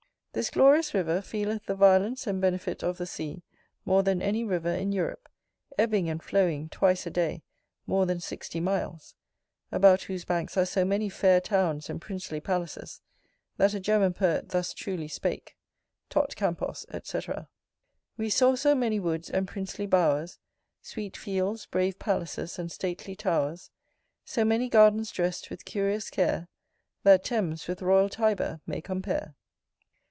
This glorious river feeleth the violence and benefit of the sea more than any river in Europe; ebbing and flowing, twice a day, more than sixty miles; about whose banks are so many fair towns and princely palaces, that a German poet thus truly spake: Tot campos, &c. We saw so many woods and princely bowers, Sweet fields, brave palaces, and stately towers; So many gardens drest with curious care, That Thames with royal Tiber may compare.